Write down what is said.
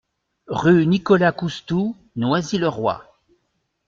Rue Nicolas Coustou, Noisy-le-Roi